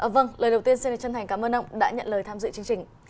vâng lời đầu tiên xin chân thành cảm ơn ông đã nhận lời tham dự chương trình